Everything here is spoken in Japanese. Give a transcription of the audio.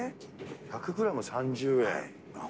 １００グラム３０円。